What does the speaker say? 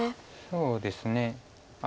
そうですね。